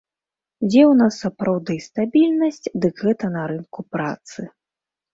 Дзе ў нас сапраўды стабільнасць, дык гэта на рынку працы.